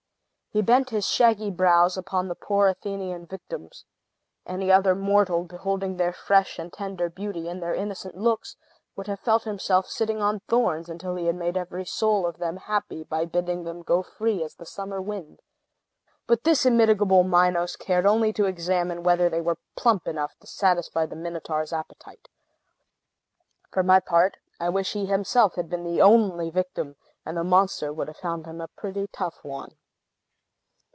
He bent his shaggy brows upon the poor Athenian victims. Any other mortal, beholding their fresh and tender beauty, and their innocent looks, would have felt himself sitting on thorns until he had made every soul of them happy by bidding them go free as the summer wind. But this immitigable Minos cared only to examine whether they were plump enough to satisfy the Minotaur's appetite. For my part, I wish he himself had been the only victim; and the monster would have found him a pretty tough one.